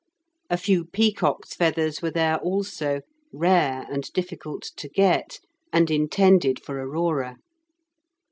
A few peacock's feathers were there also, rare and difficult to get, and intended for Aurora.